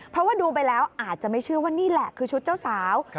เพราะว่าดูไปแล้วอาจจะไม่เชื่อว่านี่แหละคือชุดเจ้าสาว